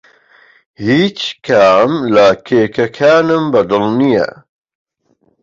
هیچ کام لە کێکەکانم بەدڵ نییە.